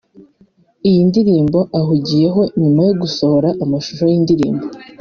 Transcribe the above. Iyi ndirimbo ahugiyeho nyuma yo gusohora amashusho y’indirimbo